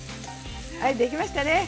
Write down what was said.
はいできましたね。